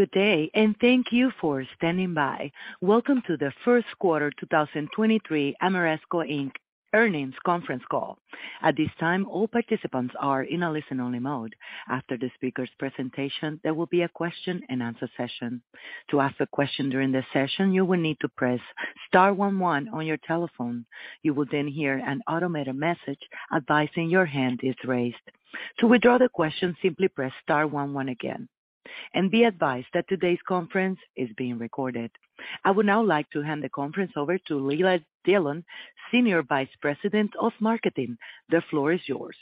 Good day, and thank you for standing by. Welcome to the First Quarter 2023 Ameresco, Inc. Earnings Conference call. At this time, all participants are in a listen-only mode. After the speaker's presentation, there will be a question-and-answer session. To ask a question during this session, you will need to press star one one on your telephone. You will then hear an automated message advising your hand is raised. To withdraw the question, simply press star one one again. Be advised that today's conference is being recorded. I would now like to hand the conference over to Leila Dillon, Senior Vice President of Marketing. The floor is yours.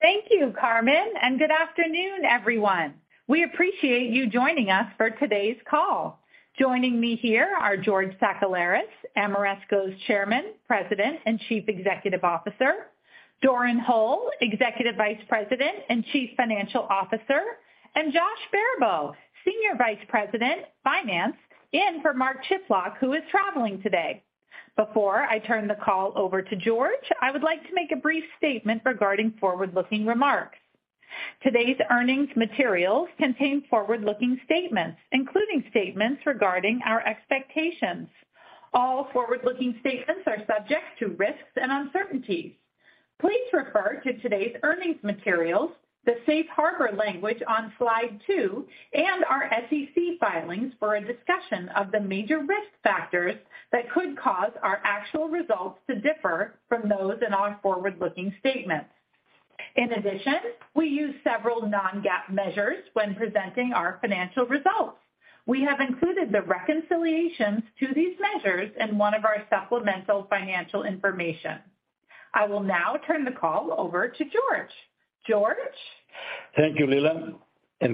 Thank you, Carmen. Good afternoon, everyone. We appreciate you joining us for today's call. Joining me here are George Sakellaris, Ameresco's Chairman, President, and Chief Executive Officer. Doran Hole, Executive Vice President and Chief Financial Officer, and Josh Baribeau, Senior Vice President, Finance, in for Mark Chiplock, who is traveling today. Before I turn the call over to George, I would like to make a brief statement regarding forward-looking remarks. Today's earnings materials contain forward-looking statements, including statements regarding our expectations. All forward-looking statements are subject to risks and uncertainties. Please refer to today's earnings materials, the safe harbor language on slide 2, and our SEC filings for a discussion of the major risk factors that could cause our actual results to differ from those in our forward-looking statements. In addition, we use several non-GAAP measures when presenting our financial results. We have included the reconciliations to these measures in one of our supplemental financial information. I will now turn the call over to George. George? Thank you, Leila.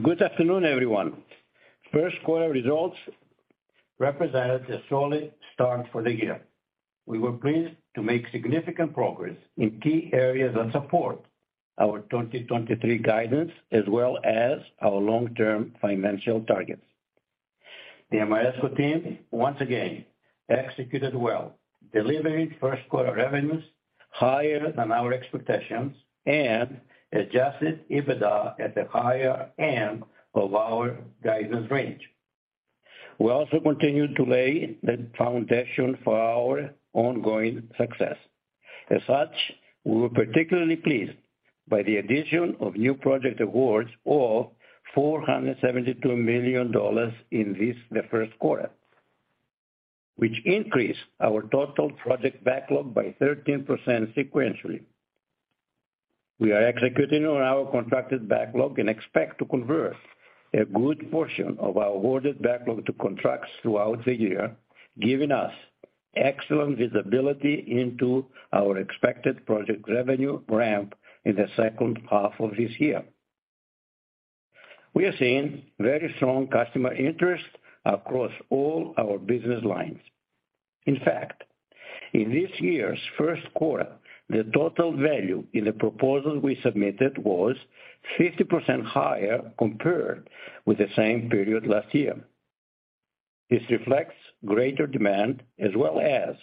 Good afternoon, everyone. First quarter results represented a solid start for the year. We were pleased to make significant progress in key areas that support our 2023 guidance as well as our long-term financial targets. The Ameresco team once again executed well, delivering first quarter revenues higher than our expectations and adjusted EBITDA at the higher end of our guidance range. We also continued to lay the foundation for our ongoing success. As such, we were particularly pleased by the addition of new project awards of $472 million in this the first quarter, which increased our total project backlog by 13% sequentially. We are executing on our contracted backlog and expect to convert a good portion of our awarded backlog to contracts throughout the year, giving us excellent visibility into our expected project revenue ramp in the second half of this year. We are seeing very strong customer interest across all our business lines. In fact, in this year's first quarter, the total value in the proposal we submitted was 50% higher compared with the same period last year. This reflects greater demand as well as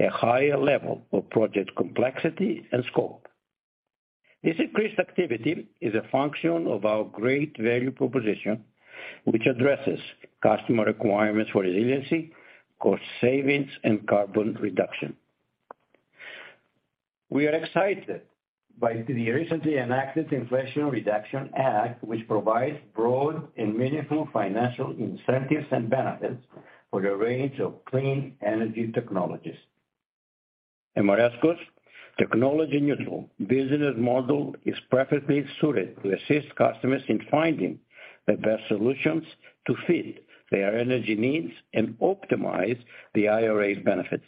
a higher level of project complexity and scope. This increased activity is a function of our great value proposition, which addresses customer requirements for resiliency, cost savings, and carbon reduction. We are excited by the recently enacted Inflation Reduction Act, which provides broad and meaningful financial incentives and benefits for a range of clean energy technologies. Ameresco's technology-neutral business model is perfectly suited to assist customers in finding the best solutions to fit their energy needs and optimize the IRA's benefits.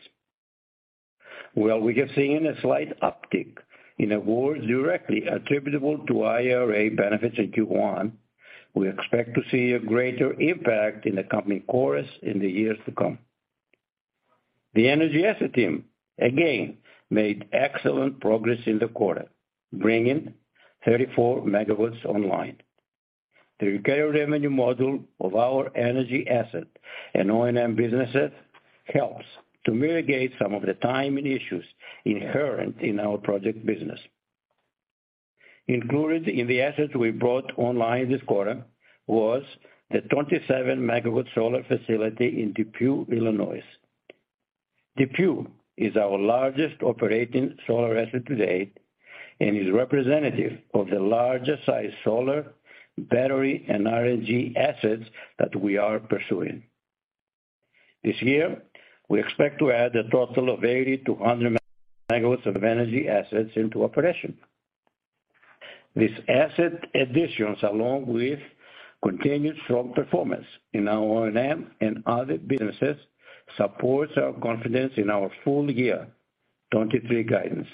While we are seeing a slight uptick in awards directly attributable to IRA benefits in Q1, we expect to see a greater impact in the coming quarters in the years to come. The Energy Asset Team again made excellent progress in the quarter, bringing 34 MWs online. The recurring revenue model of our energy asset and O&M businesses helps to mitigate some of the timing issues inherent in our project business. Included in the assets we brought online this quarter was the 27 MW solar facility in DePue, Illinois. DePue is our largest operating solar asset to date and is representative of the larger size solar, battery, and RNG assets that we are pursuing. This year, we expect to add a total of 80 to 100 MW of energy assets into operation. These asset additions, along with continued strong performance in our O&M and other businesses, supports our confidence in our full year 2023 guidance.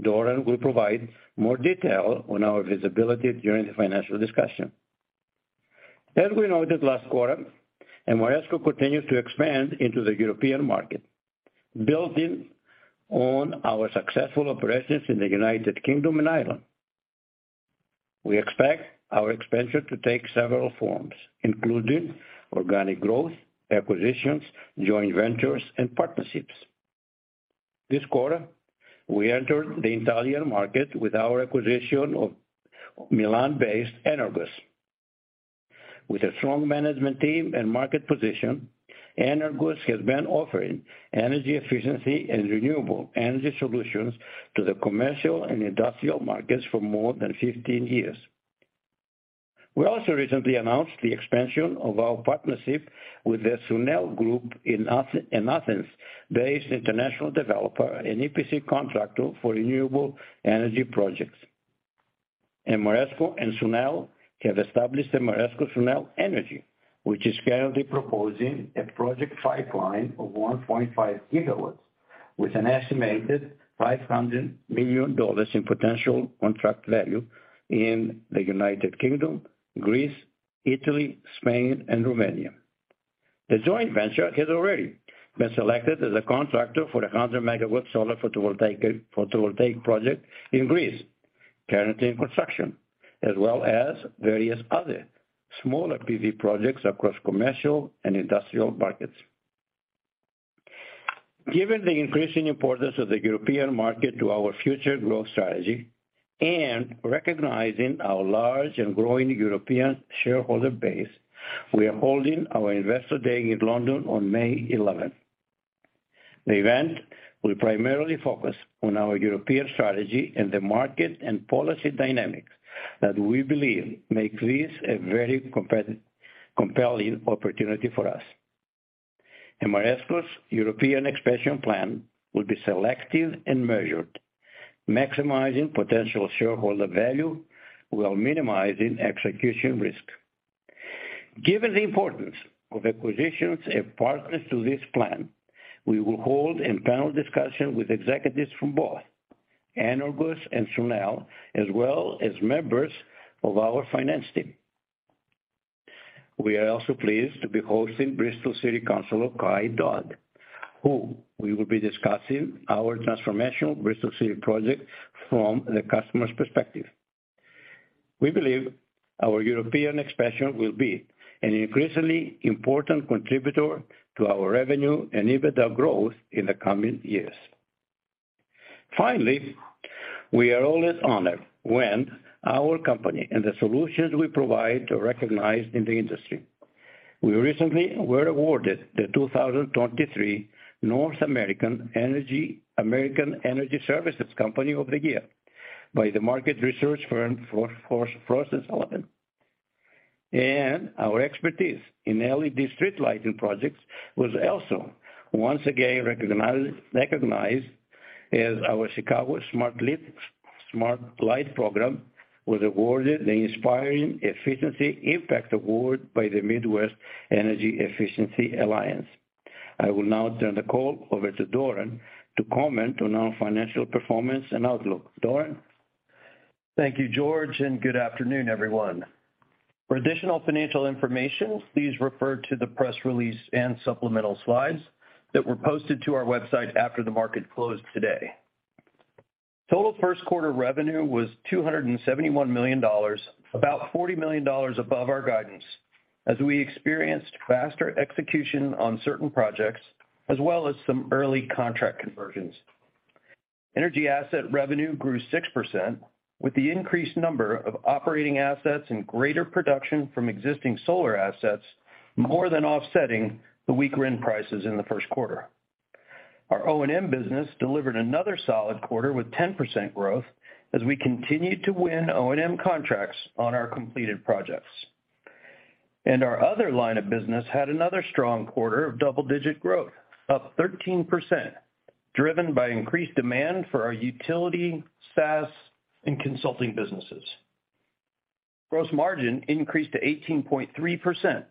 Doran will provide more detail on our visibility during the financial discussion. As we noted last quarter, Ameresco continues to expand into the European market, building on our successful operations in the United Kingdom and Ireland. We expect our expansion to take several forms, including organic growth, acquisitions, joint ventures, and partnerships. This quarter, we entered the Italian market with our acquisition of Milan-based Enerqos. With a strong management team and market position, Enerqos has been offering energy efficiency and renewable energy solutions to the commercial and industrial markets for more than 15 years. We also recently announced the expansion of our partnership with the SUNEL Group in Athens-based international developer and EPC contractor for renewable energy projects. Ameresco and SUNEL have established Ameresco SUNEL Energy, which is currently proposing a project pipeline of 1.5 GW with an estimated $500 million in potential contract value in the United Kingdom, Greece, Italy, Spain, and Romania. The joint venture has already been selected as a contractor for a 100-MW solar photovoltaic project in Greece, currently in construction, as well as various other smaller PV projects across commercial and industrial markets. Given the increasing importance of the European market to our future growth strategy and recognizing our large and growing European shareholder base, we are holding our Investor Day in London on May 11th. The event will primarily focus on our European strategy and the market and policy dynamics that we believe make this a very compelling opportunity for us. Ameresco's European expansion plan will be selective and measured, maximizing potential shareholder value while minimizing execution risk. Given the importance of acquisitions and partners to this plan, we will hold a panel discussion with executives from both Enerqos and SUNEL, as well as members of our finance team. We are also pleased to be hosting Bristol City Councillor Kye Dudd, who will be discussing our transformational Bristol City project from the customer's perspective. We believe our European expansion will be an increasingly important contributor to our revenue and EBITDA growth in the coming years. Finally, we are always honored when our company and the solutions we provide are recognized in the industry. We recently were awarded the 2023 North American Energy Services Company of the Year by the market research firm Frost & Sullivan. Our expertise in LED street lighting projects was also once again recognized as our Chicago Smart Lighting Program was awarded the Inspiring Efficiency Impact Award by the Midwest Energy Efficiency Alliance. I will now turn the call over to Doran to comment on our financial performance and outlook. Doran? Thank you, George, and good afternoon, everyone. For additional financial information, please refer to the press release and supplemental slides that were posted to our website after the market closed today. Total first quarter revenue was $271 million, about $40 million above our guidance, as we experienced faster execution on certain projects as well as some early contract conversions. Energy asset revenue grew 6%, with the increased number of operating assets and greater production from existing solar assets more than offsetting the weaker end prices in the first quarter. Our O&M business delivered another solid quarter with 10% growth as we continued to win O&M contracts on our completed projects. Our other line of business had another strong quarter of double-digit growth, up 13%, driven by increased demand for our utility, SaaS, and consulting businesses. Gross margin increased to 18.3%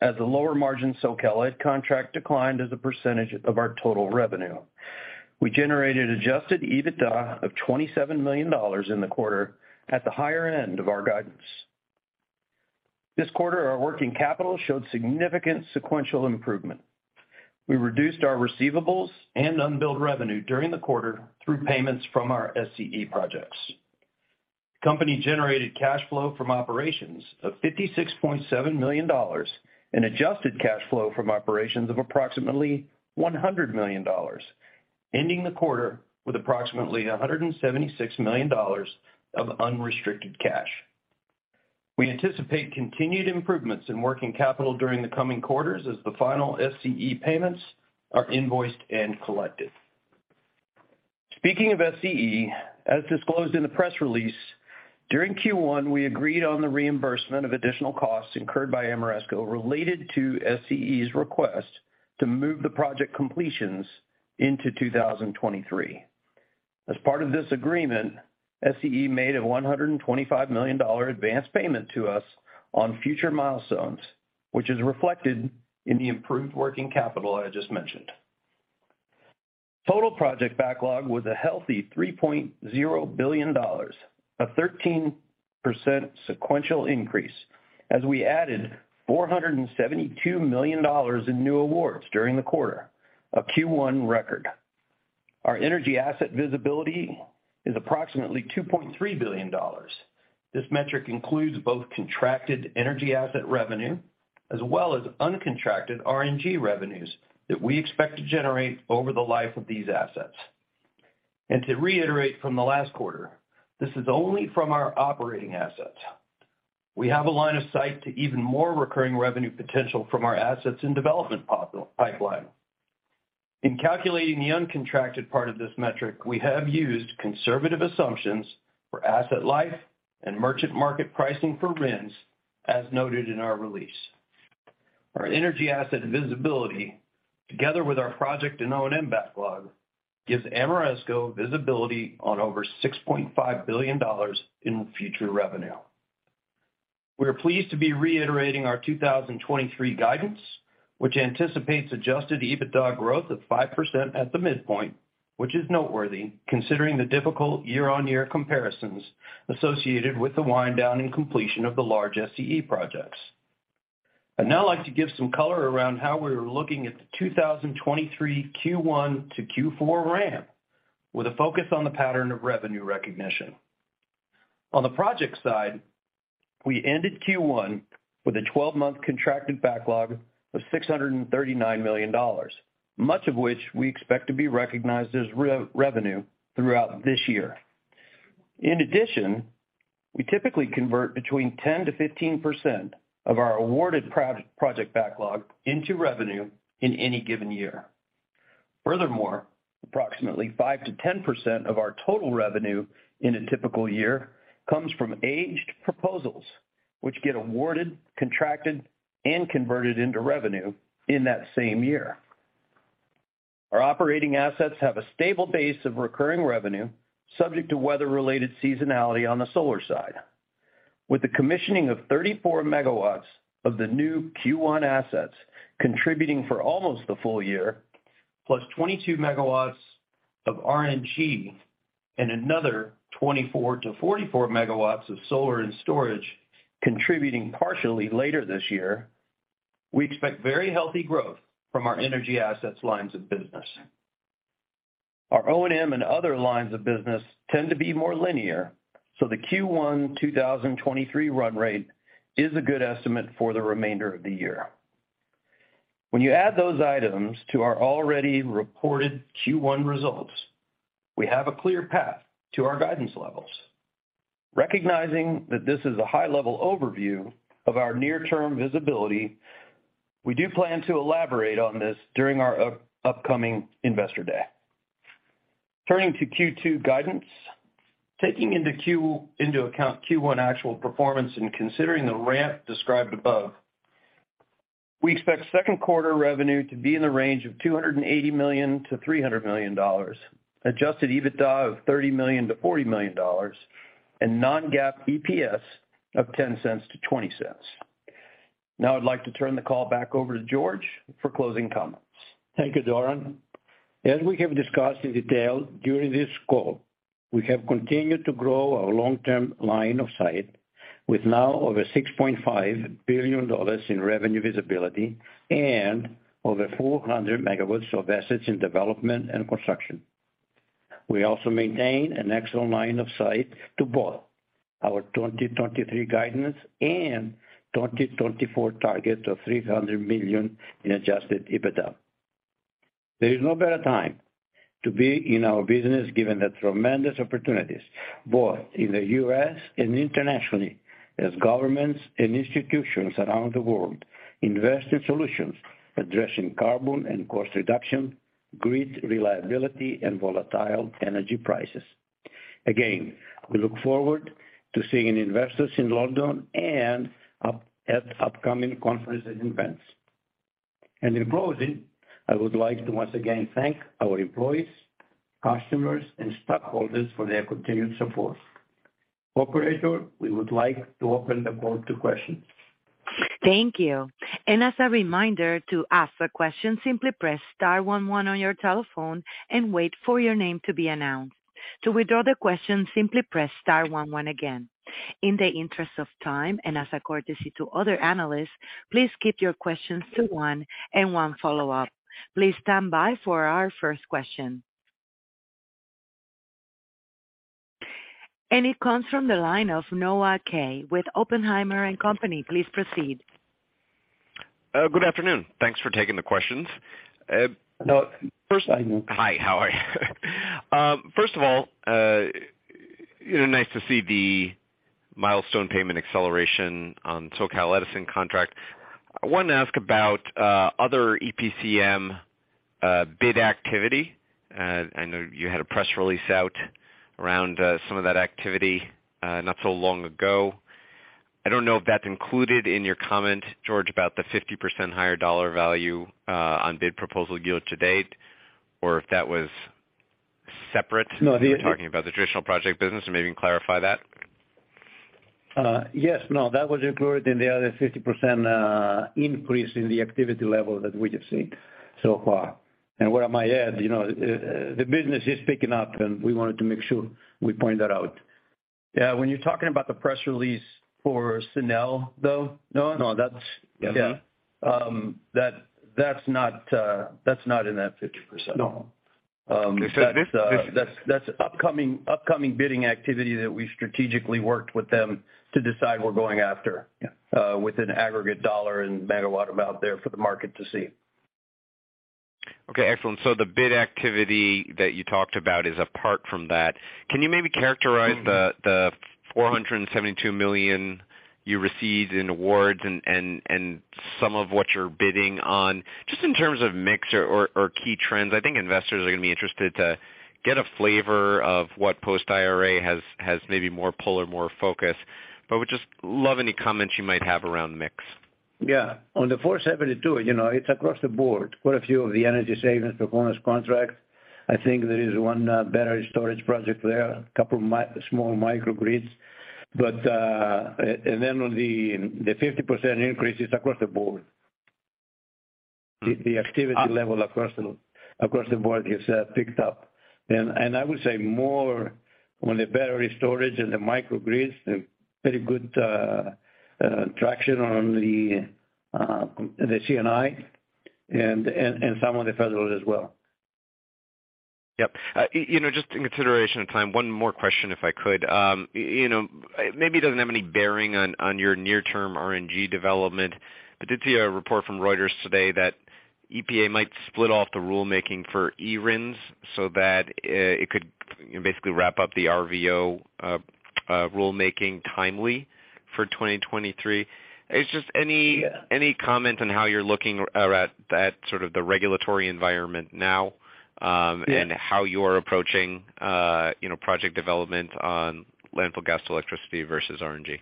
as the lower-margin SoCal Ed contract declined as a percentage of our total revenue. We generated adjusted EBITDA of $27 million in the quarter at the higher end of our guidance. This quarter, our working capital showed significant sequential improvement. We reduced our receivables and unbilled revenue during the quarter through payments from our SCE projects. Company-generated cash flow from operations of $56.7 million and adjusted cash flow from operations of approximately $100 million, ending the quarter with approximately $176 million of unrestricted cash. We anticipate continued improvements in working capital during the coming quarters as the final SCE payments are invoiced and collected. Speaking of SCE, as disclosed in the press release, during Q1, we agreed on the reimbursement of additional costs incurred by Ameresco related to SCE's request to move the project completions into 2023. As part of this agreement, SCE made a $125 million advance payment to us on future milestones, which is reflected in the improved working capital I just mentioned. Total project backlog was a healthy $3.0 billion, a 13% sequential increase as we added $472 million in new awards during the quarter, a Q1 record. Our energy asset visibility is approximately $2.3 billion. This metric includes both contracted energy asset revenue as well as uncontracted RNG revenues that we expect to generate over the life of these assets. To reiterate from the last quarter, this is only from our operating assets. We have a line of sight to even more recurring revenue potential from our assets in development pipeline. In calculating the uncontracted part of this metric, we have used conservative assumptions for asset life and merchant market pricing for rents as noted in our release. Our energy asset visibility, together with our project and O&M backlog, gives Ameresco visibility on over $6.5 billion in future revenue. We are pleased to be reiterating our 2023 guidance, which anticipates adjusted EBITDA growth of 5% at the midpoint, which is noteworthy considering the difficult year-on-year comparisons associated with the wind down and completion of the large SCE projects. I'd now like to give some color around how we're looking at the 2023 Q1-Q4 ramp with a focus on the pattern of revenue recognition. On the project side, we ended Q1 with a 12-month contracted backlog of $639 million, much of which we expect to be recognized as revenue throughout this year. In addition, we typically convert between 10%-15% of our awarded project backlog into revenue in any given year. Furthermore, approximately 5%-10% of our total revenue in a typical year comes from aged proposals, which get awarded, contracted, and converted into revenue in that same year. Our operating assets have a stable base of recurring revenue subject to weather-related seasonality on the solar side. With the commissioning of 34 MWs of the new Q1 assets contributing for almost the full year, plus 22 MWs of RNG and another 24-44 MWs of solar and storage contributing partially later this year, we expect very healthy growth from our energy assets lines of business. Our O&M and other lines of business tend to be more linear, so the Q1 2023 run rate is a good estimate for the remainder of the year. When you add those items to our already reported Q1 results, we have a clear path to our guidance levels. Recognizing that this is a high-level overview of our near-term visibility, we do plan to elaborate on this during our upcoming Investor Day. Turning to Q2 guidance. Taking into account Q1 actual performance and considering the ramp described above, we expect second quarter revenue to be in the range of $280 million-$300 million, adjusted EBITDA of $30 million-$40 million, and non-GAAP EPS of $0.10-$0.20. Now I'd like to turn the call back over to George for closing comments. Thank you, Doran. As we have discussed in detail during this call, we have continued to grow our long-term line of sight with now over $6.5 billion in revenue visibility and over 400 MWs of assets in development and construction. We also maintain an excellent line of sight to both our 2023 guidance and 2024 target of $300 million in adjusted EBITDA. There is no better time to be in our business given the tremendous opportunities both in the U.S. and internationally as governments and institutions around the world invest in solutions addressing carbon and cost reduction, grid reliability, and volatile energy prices. We look forward to seeing investors in London at upcoming conferences and events. In closing, I would like to once again thank our employees, customers, and stockholders for their continued support. Operator, we would like to open the floor to questions. Thank you. As a reminder, to ask a question, simply press star one one on your telephone and wait for your name to be announced. To withdraw the question, simply press star one one again. In the interest of time and as a courtesy to other analysts, please keep your questions to one and one follow-up. Please stand by for our first question. It comes from the line of Noah Kaye with Oppenheimer and Company. Please proceed. Good afternoon. Thanks for taking the questions. Noah. First, hi, Noah. Hi, how are you? First of all, you know, nice to see the milestone payment acceleration on SoCal Edison contract. I wanted to ask about other EPCM bid activity. I know you had a press release out around some of that activity not so long ago. I don't know if that's included in your comment, George, about the 50% higher dollar value on bid proposal yield to date, or if that was separate. No. You were talking about the traditional project business, so maybe you can clarify that. Yes, no, that was included in the other 50% increase in the activity level that we have seen so far. What I might add, you know, the business is picking up, and we wanted to make sure we point that out. Yeah. When you're talking about the press release for SUNEL, though, Noah? No, that's. Yeah. That, that's not, that's not in that 50%. No. That's upcoming bidding activity that we strategically worked with them to decide we're going after with an aggregate dollar and MW amount there for the market to see. Okay, excellent. The bid activity that you talked about is apart from that. Can you maybe characterize the $472 million you received in awards and some of what you're bidding on, just in terms of mix or key trends? I think investors are gonna be interested to get a flavor of what post-IRA has maybe more pull or more focus. Would just love any comments you might have around mix. Yeah. On the 472, you know, it's across the board, quite a few of the Energy Savings Performance Contracts. I think there is one battery storage project there, a couple small microgrids. On the 50% increase is across the board. The activity level across the board has picked up. I would say more on the battery storage and the microgrids, a very good traction on the C&I and some on the federal as well. Yep. You know, just in consideration of time, one more question if I could. You know, maybe it doesn't have any bearing on your near-term RNG development, but did see a report from Reuters today that EPA might split off the rulemaking for e-RINs so that it could, you know, basically wrap up the RVO rulemaking timely for 2023. It's just. Any comment on how you're looking at sort of the regulatory environment now? How you're approaching, you know, project development on landfill gas to electricity versus RNG.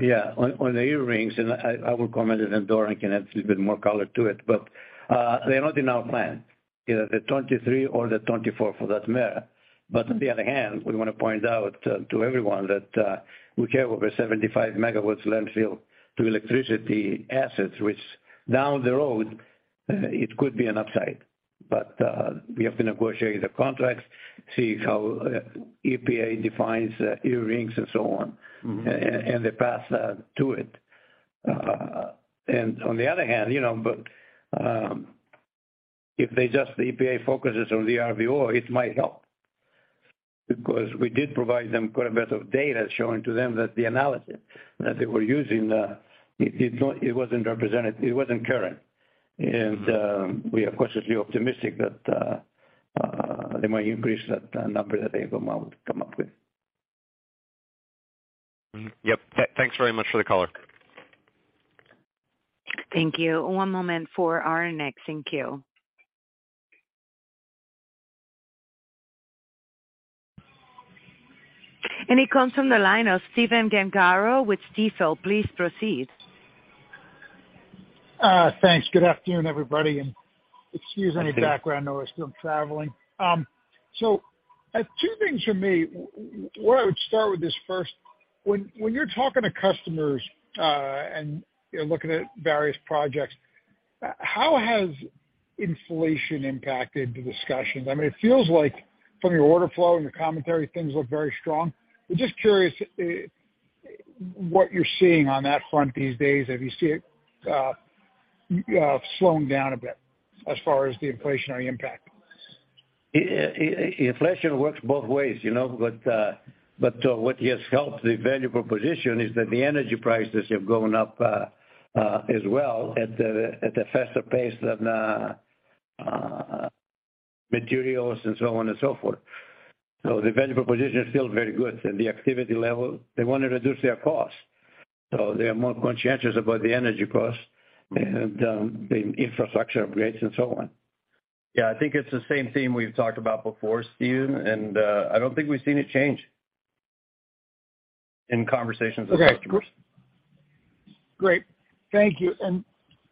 Yeah. On the e-RINs, and I will comment and then Doran can add just a bit more color to it. They're not in our plan, you know, the 2023 or the 2024 for that matter. On the other hand, we wanna point out to everyone that we have over 75 MWs landfill to electricity assets, which down the road, it could be an upside. We have to negotiate the contracts, see how EPA defines e-RINs and so on. The path to it. On the other hand, you know, but if they just, the EPA focuses on the RVO, it might help because we did provide them quite a bit of data showing to them that the analysis that they were using, it wasn't represented, it wasn't current. We are cautiously optimistic that they might increase that number that they've come up with. Yep. Thanks very much for the color. Thank you. One moment for our next in queue. It comes from the line of Stephen Gengaro with Stifel. Please proceed. Thanks. Good afternoon, everybody. Excuse any background noise, still traveling. Two things from me. Where I would start with this first, when you're talking to customers, and you're looking at various projects, how has inflation impacted the discussions? I mean, it feels like from your order flow and your commentary, things look very strong. Just curious, what you're seeing on that front these days. Have you seen it, slowing down a bit as far as the inflationary impact? Inflation works both ways, you know. What has helped the value proposition is that the energy prices have gone up as well at a faster pace than materials and so on and so forth. The value proposition is still very good. The activity level, they wanna reduce their costs, so they are more conscientious about the energy costs and the infrastructure upgrades and so on. Yeah, I think it's the same theme we've talked about before, Stephen. I don't think we've seen it change in conversations with customers. Okay. Great. Thank you.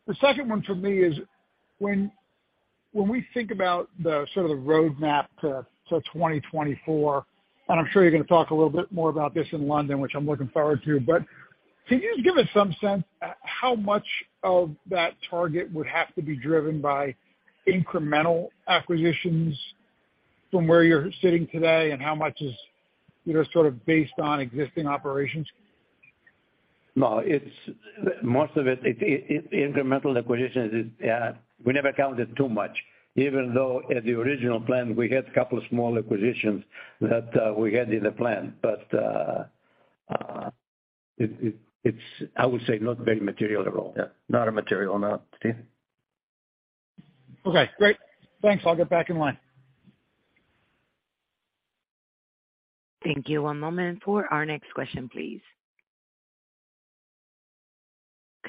The second one for me is when we think about the sort of the roadmap to 2024, I'm sure you're gonna talk a little bit more about this in London, which I'm looking forward to, can you just give us some sense how much of that target would have to be driven by incremental acquisitions from where you're sitting today, and how much is, you know, sort of based on existing operations? No, Most of it, incremental acquisitions is, we never counted too much, even though at the original plan, we had a couple small acquisitions that, we had in the plan. It's, I would say, not very material at all. Yeah, not a material amount, Steve. Okay, great. Thanks. I'll get back in line. Thank you. One moment for our next question, please.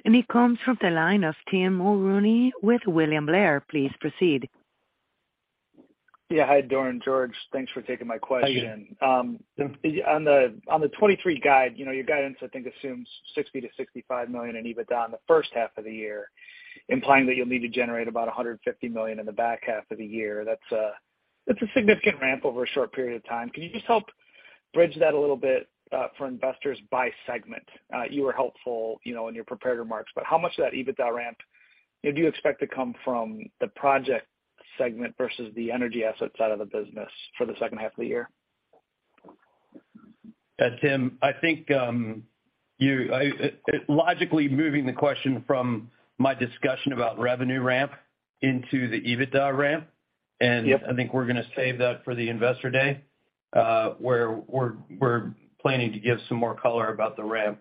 It comes from the line of Tim Mulrooney with William Blair. Please proceed. Yeah. Hi, Doran, George. Thanks for taking my question. How are you? On the 23 guide, you know, your guidance I think assumes $60 million-$65 million in EBITDA in the first half of the year, implying that you'll need to generate about $150 million in the back half of the year. That's a significant ramp over a short period of time. Can you just help bridge that a little bit for investors by segment? You were helpful, you know, in your prepared remarks, but how much of that EBITDA ramp, you know, do you expect to come from the project segment versus the energy asset side of the business for the second half of the year? Tim, I think, I logically moving the question from my discussion about revenue ramp into the EBITDA ramp. Yep. I think we're gonna save that for the Investor Day, where we're planning to give some more color about the ramp.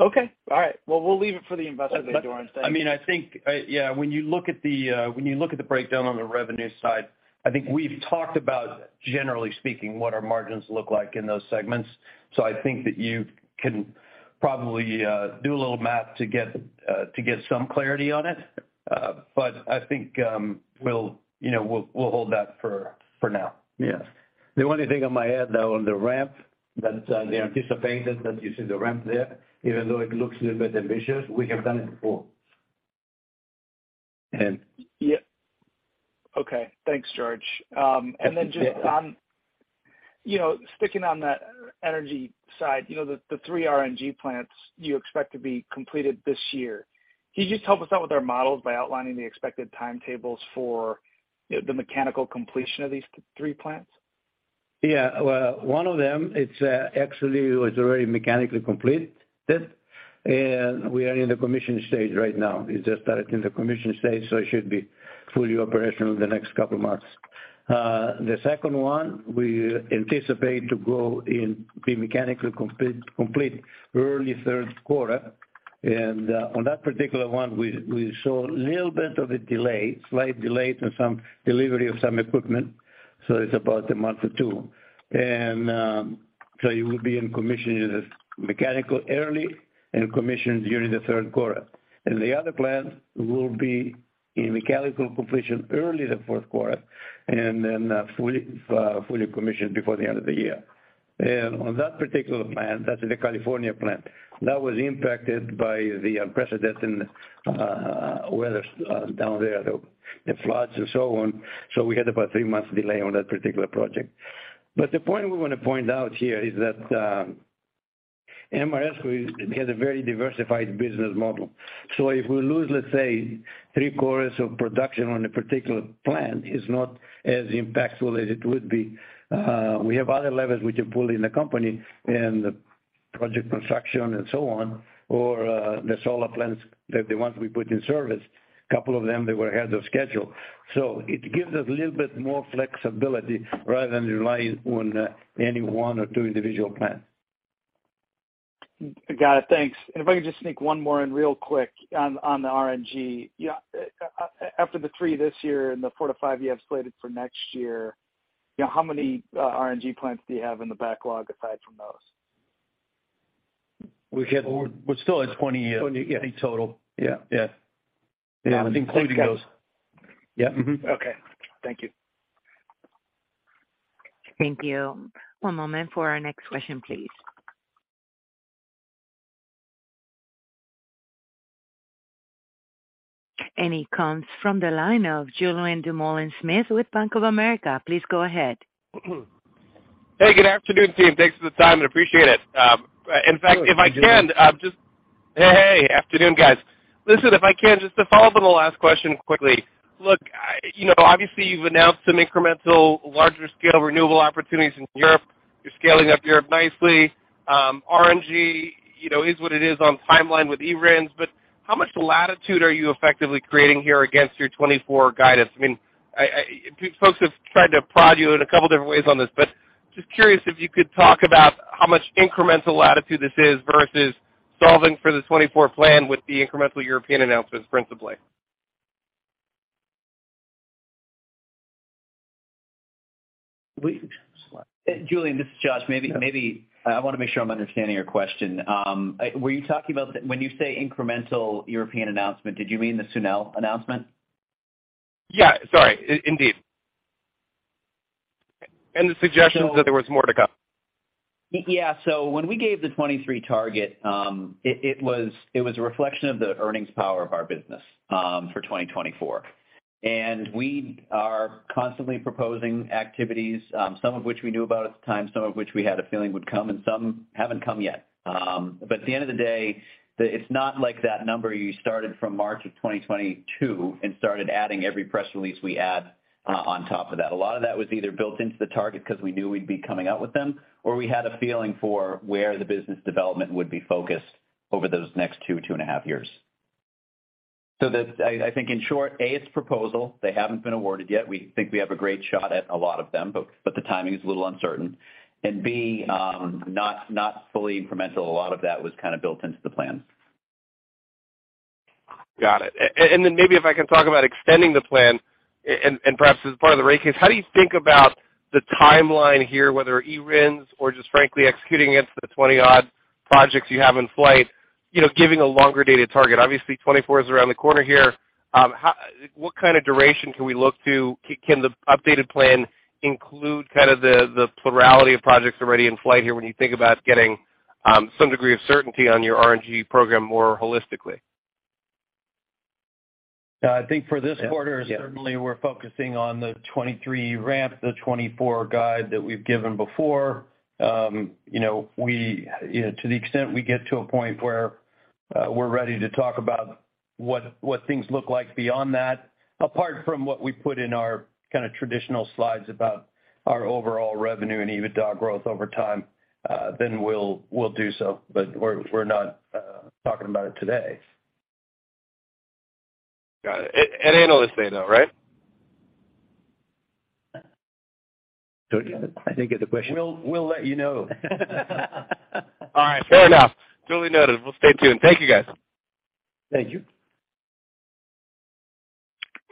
Okay. All right. Well, we'll leave it for the Investor Day, George. Thank you. I mean, I think, yeah, when you look at the, when you look at the breakdown on the revenue side, I think we've talked about, generally speaking, what our margins look like in those segments. I think that you can probably, do a little math to get, to get some clarity on it. I think, we'll, you know, we'll hold that for now. Yeah. The only thing in my head, though, on the ramp that they anticipated that you see the ramp there, even though it looks a little bit ambitious, we have done it before. And. Yeah. Okay. Thanks, George. Just on, you know, sticking on that energy side, you know, the three RNG plants you expect to be completed this year. Can you just help us out with our models by outlining the expected timetables for, you know, the mechanical completion of these three plants? Yeah. Well, one of them, actually was already mechanically completed, and we are in the commission stage right now. It just started in the commission stage, so it should be fully operational in the next couple of months. The second one, we anticipate to be mechanically complete early third quarter. On that particular one, we saw a little bit of a delay, slight delay to some delivery of some equipment, so it's about a month or two. It will be in commission as mechanical early and commissioned during the third quarter. The other plant will be in mechanical completion early the fourth quarter, fully commissioned before the end of the year. On that particular plant, that's in the California plant, that was impacted by the unprecedented weather down there, the floods and so on. We had about three months delay on that particular project. The point we wanna point out here is that Ameresco, we have a very diversified business model. If we lose, let's say, three quarters of production on a particular plant, it's not as impactful as it would be. We have other levers we can pull in the company and project construction and so on, or the solar plants, the ones we put in service, couple of them, they were ahead of schedule. It gives us a little bit more flexibility rather than relying on any one or two individual plants. Got it. Thanks. If I could just sneak one more in real quick on the RNG. You know, after the three this year and the four-five you have slated for next year, you know, how many RNG plants do you have in the backlog aside from those? We have. We still have 20. 20, yeah. In total. Yeah. Yeah. Yeah. Including those. Yeah. Okay. Thank you. Thank you. One moment for our next question, please. It comes from the line of Julien Dumoulin-Smith with Bank of America. Please go ahead. Hey, good afternoon, team. Thanks for the time. I appreciate it. In fact, if I can. Hey, Julien. Hey, hey. Afternoon, guys. Listen, if I can, just to follow up on the last question quickly. Look, you know, obviously, you've announced some incremental larger scale renewable opportunities in Europe. You're scaling up Europe nicely. RNG, you know, is what it is on timeline with e-RINs, but how much latitude are you effectively creating here against your 2024 guidance? I mean, Folks have tried to prod you in a couple different ways on this, but just curious if you could talk about how much incremental latitude this is versus solving for the 2024 plan with the incremental European announcements, principally. Julien, this is Josh. Maybe, I wanna make sure I'm understanding your question. When you say incremental European announcement, did you mean the SUNEL announcement? Yeah. Sorry. Indeed. The suggestions that there was more to come. Yeah. When we gave the 2023 target, it was a reflection of the earnings power of our business for 2024. We are constantly proposing activities, some of which we knew about at the time, some of which we had a feeling would come, and some haven't come yet. At the end of the day, it's not like that number you started from March of 2022 and started adding every press release we had on top of that. A lot of that was either built into the target 'cause we knew we'd be coming out with them, or we had a feeling for where the business development would be focused over those next two and a half years. I think in short, A, it's proposal. They haven't been awarded yet. We think we have a great shot at a lot of them, but the timing is a little uncertain. B, not fully incremental. A lot of that was kind of built into the plan. Got it. Then maybe if I can talk about extending the plan and perhaps as part of the rate case, how do you think about the timeline here, whether e-RINs or just frankly executing against the 20-odd projects you have in flight, you know, giving a longer data target? Obviously, 2024 is around the corner here. What kind of duration can we look to? Can the updated plan include kind of the plurality of projects already in flight here when you think about getting some degree of certainty on your RNG program more holistically? I think for this quarter. Yeah. Certainly, we're focusing on the 2023 ramp, the 2024 guide that we've given before. You know, to the extent we get to a point where we're ready to talk about what things look like beyond that, apart from what we put in our kind of traditional slides about our overall revenue and EBITDA growth over time, then we'll do so. We're not talking about it today. Got it. At Analyst Day, though, right? I didn't get the question. We'll let you know. All right. Fair enough. Duly noted. We'll stay tuned. Thank you, guys. Thank you.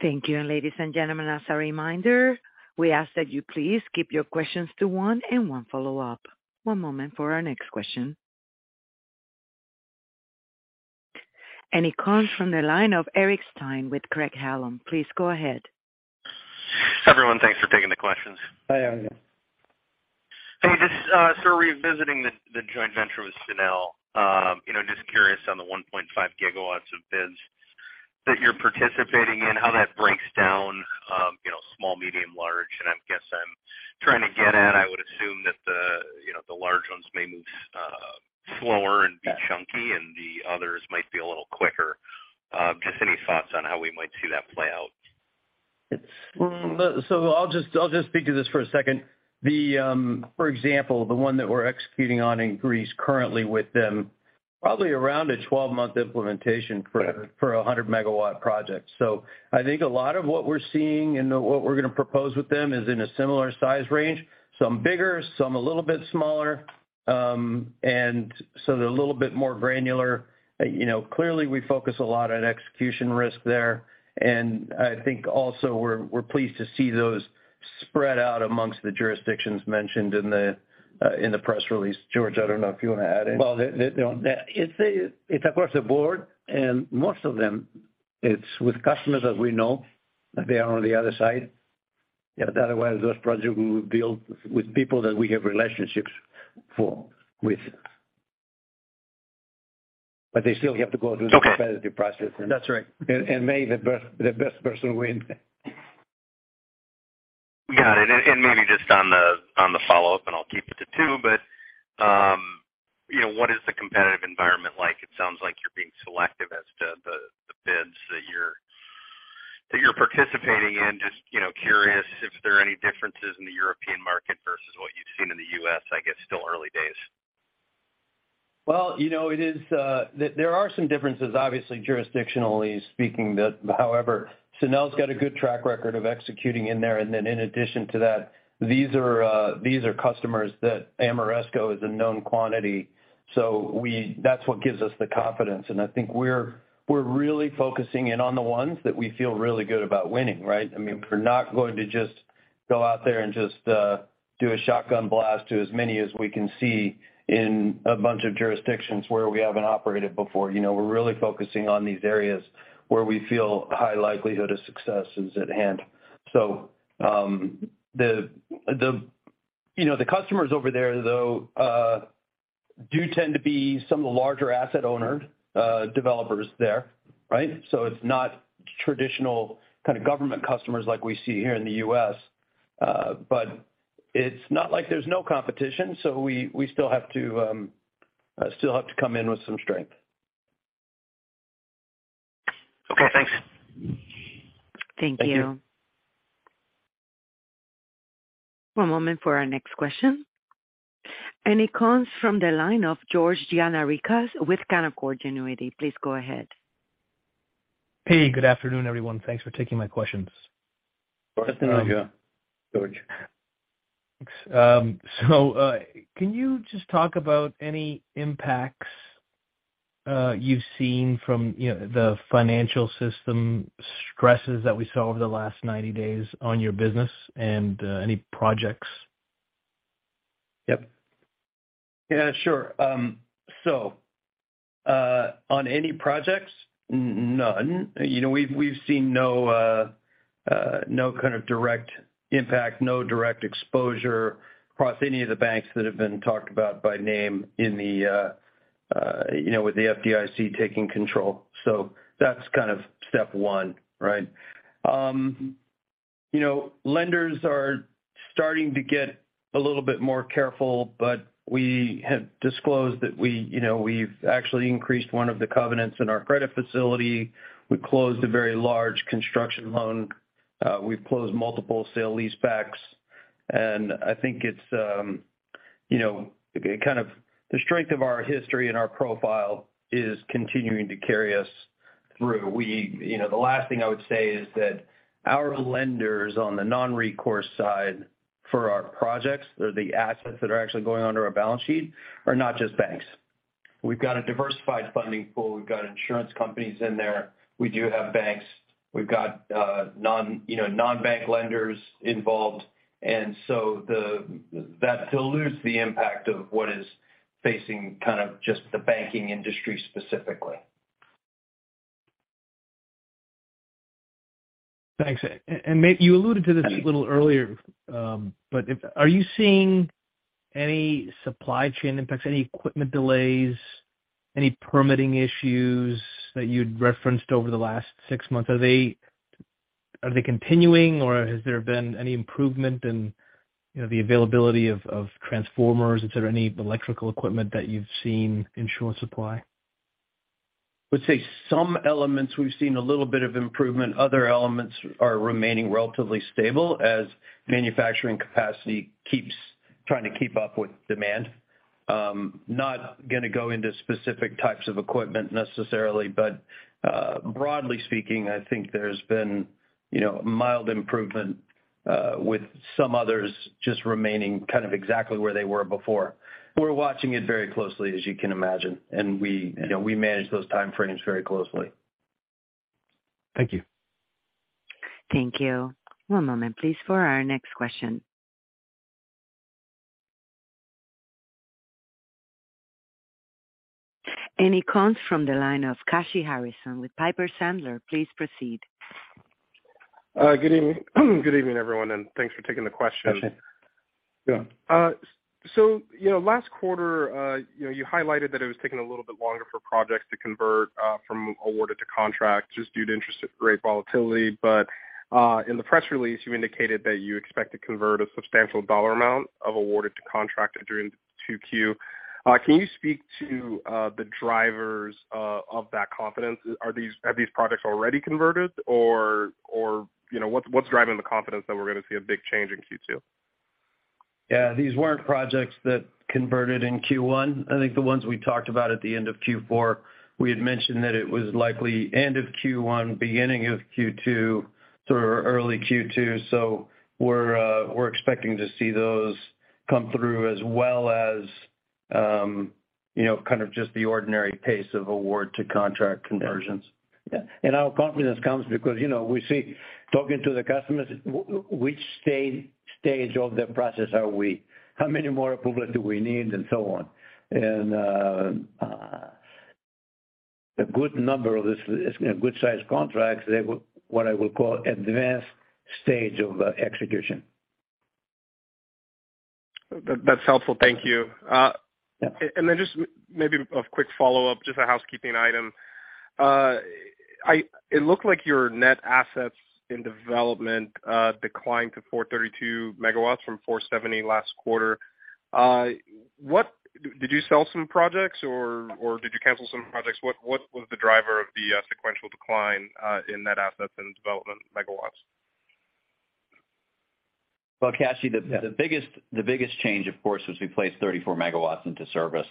Thank you. Ladies and gentlemen, as a reminder, we ask that you please keep your questions to one and one follow-up. One moment for our next question. It comes from the line of Eric Stine with Craig-Hallum. Please go ahead. Everyone, thanks for taking the questions. Hi, Eric. Hey, just sort of revisiting the joint venture with SUNEL. You know, just curious on the 1.5 GW of bids that you're participating in, how that breaks down, you know, small, medium, large. I guess I'm trying to get at, I would assume that the, you know, the large ones may move slower and be chunky, and the others might be a little quicker. Just any thoughts on how we might see that play out? I'll just speak to this for a second. For example, the one that we're executing on in Greece currently with them, probably around a 12-month implementation for a 100-MW project. I think a lot of what we're seeing and what we're gonna propose with them is in a similar size range, some bigger, some a little bit smaller. They're a little bit more granular. You know, clearly we focus a lot on execution risk there. I think also we're pleased to see those spread out amongst the jurisdictions mentioned in the press release. George, I don't know if you wanna add anything. Well, it's across the board, and most of them, it's with customers that we know that they are on the other side. Otherwise, those projects we build with people that we have relationships with. They still have to go through the competitive process. Okay. That's right. May the best person win. Got it. Maybe just on the follow-up, and I'll keep it to two. You know, what is the competitive environment like? It sounds like you're being selective as to the bids that you're participating in. Just, you know, curious if there are any differences in the European market versus what you've seen in the U.S. I guess still early days. Well, you know, it is. There are some differences, obviously, jurisdictionally speaking. However, SUNEL's got a good track record of executing in there. In addition to that, these are customers that Ameresco is a known quantity. That's what gives us the confidence. I think we're really focusing in on the ones that we feel really good about winning, right? I mean, we're not going to just go out there and just do a shotgun blast to as many as we can see in a bunch of jurisdictions where we haven't operated before. You know, we're really focusing on these areas where we feel high likelihood of success is at hand. You know, the customers over there, though, do tend to be some of the larger asset owner developers there, right? It's not traditional kind of government customers like we see here in the U.S. It's not like there's no competition, we still have to come in with some strength. Okay, thanks. Thank you. Thank you. One moment for our next question. It comes from the line of George Gianarikas with Canaccord Genuity. Please go ahead. Hey, good afternoon, everyone. Thanks for taking my questions. Good afternoon, George. Thanks. Can you just talk about any impacts you've seen from, you know, the financial system stresses that we saw over the last 90 days on your business and any projects? Yep. Yeah, sure. On any projects, none. You know, we've seen no kind of direct impact, no direct exposure across any of the banks that have been talked about by name in the, you know, with the FDIC taking control. That's kind of step one, right? You know, lenders are starting to get a little bit more careful, but we have disclosed that we, you know, we've actually increased one of the covenants in our credit facility. We closed a very large construction loan. We've closed multiple sale-leaseback. I think it's, you know, kind of the strength of our history and our profile is continuing to carry us through. You know, the last thing I would say is that our lenders on the non-recourse side for our projects or the assets that are actually going onto our balance sheet are not just banks. We've got a diversified funding pool. We've got insurance companies in there. We do have banks. We've got, you know, non-bank lenders involved, and so that dilutes the impact of what is facing kind of just the banking industry specifically. Thanks. You alluded to this a little earlier, are you seeing any supply chain impacts, any equipment delays, any permitting issues that you'd referenced over the last six months? Are they continuing or has there been any improvement in, you know, the availability of transformers? Is there any electrical equipment that you've seen in short supply? I would say some elements we've seen a little bit of improvement. Other elements are remaining relatively stable as manufacturing capacity keeps trying to keep up with demand. Not gonna go into specific types of equipment necessarily, but, broadly speaking, I think there's been, you know, mild improvement, with some others just remaining kind of exactly where they were before. We're watching it very closely, as you can imagine, and we, you know, we manage those time frames very closely. Thank you. Thank you. One moment, please, for our next question. It comes from the line of Kashy Harrison with Piper Sandler. Please proceed. Good evening. Good evening, everyone. Thanks for taking the question. Kashy. Yeah. You know, last quarter, you know, you highlighted that it was taking a little bit longer for projects to convert from awarded to contract just due to interest rate volatility. In the press release, you indicated that you expect to convert a substantial dollar amount of awarded to contract during 2Q. Can you speak to the drivers of that confidence? Have these projects already converted or, you know, what's driving the confidence that we're gonna see a big change in Q2? Yeah, these weren't projects that converted in Q1. I think the ones we talked about at the end of Q4, we had mentioned that it was likely end of Q1, beginning of Q2, sort of early Q2. We're expecting to see those come through as well as, you know, kind of just the ordinary pace of award to contract conversions. Yeah. Our confidence comes because, you know, we see talking to the customers, which stage of the process are we? How many more approval do we need and so on. A good number of this, good size contracts, they will what I would call advanced stage of execution. That's helpful. Thank you. Yeah. Just maybe a quick follow-up, just a housekeeping item. It looked like your net assets in development declined to 432 MWs from 470 last quarter. What did you sell some projects or did you cancel some projects? What was the driver of the sequential decline in net assets and development MWs? Well, Kashy, the biggest change, of course, was we placed 34 MWs into service.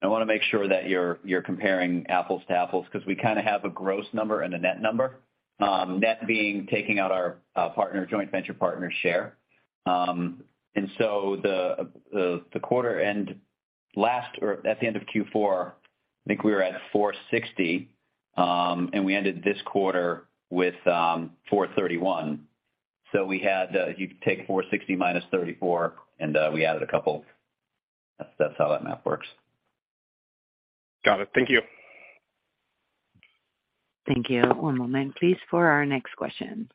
I wanna make sure that you're comparing apples to apples because we kind of have a gross number and a net number. Net being taking out our joint venture partner share. The quarter or at the end of Q4, I think we were at 460, and we ended this quarter with 431. We had, you take 460 minus 34, and we added a couple. That's how that math works. Got it. Thank you. Thank you. One moment, please, for our next question.